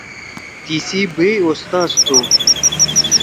تیِسی بَئے اوستاز تُھو۔